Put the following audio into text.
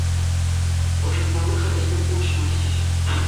Ӑшӑтмалли хатӗрсем пулӑшмастчӗҫ.